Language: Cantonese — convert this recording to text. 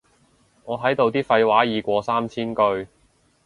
我喺度啲廢話已過三千句